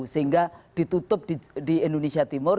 sehingga ditutup di indonesia timur